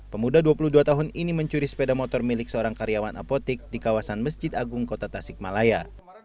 pemuda dua puluh dua tahun ini mencuri sepeda motor milik seorang karyawan apotik di kawasan masjid agung kota tasikmalaya